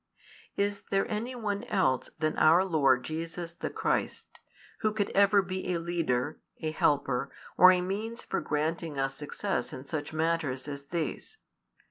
Is there any one else than our Lord Jesus the Christ, who could ever be a leader, a helper, or a means for granting us success in such matters as these?